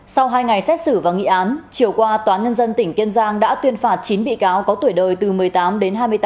sau hai ngày xét xử và nghị án chiều qua tòa nhân dân tỉnh kiên giang đã tuyên phạt chín bị cáo có tuổi đời từ một mươi tám đến hai mươi tám